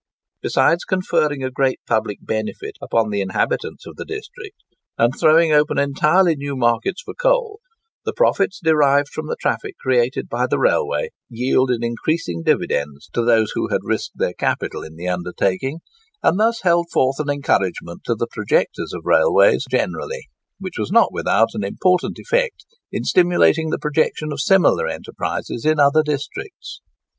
Besides conferring a great public benefit upon the inhabitants of the district and throwing open entirely new markets for coal, the profits derived from the traffic created by the railway yielded increasing dividends to those who had risked their capital in the undertaking, and thus held forth an encouragement to the projectors of railways generally, which was not without an important effect in stimulating the projection of similar enterprises in other districts.